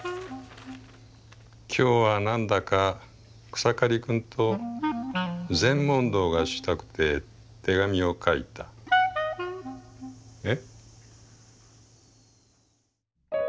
「きょうはなんだか草刈くんと禅問答がしたくて手紙を書いた」。え？